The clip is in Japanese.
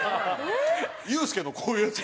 ユースケのこういうやつ。